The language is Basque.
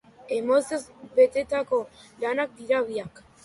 Emozioz betetako lanak dira biak.